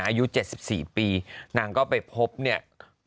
อายุ๗๔ปีนางก็ไปพบเนี่ย